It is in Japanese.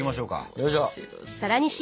よいしょ！